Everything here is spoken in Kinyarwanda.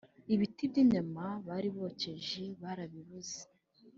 ibiti by' inyama bari bokeje barabibuze